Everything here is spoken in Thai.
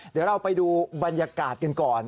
เดี๋ยวเราไปดูบรรยากาศกันก่อน